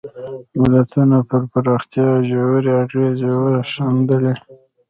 ملتونو پر پراختیا ژورې اغېزې وښندلې.